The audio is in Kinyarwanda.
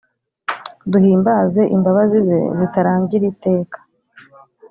Duhimbaze imbabazi ze zitarangir’iteka.